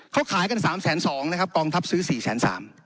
เค้าขายกัน๓๒แสนนะครับกองทัพซื้อ๔๓แสน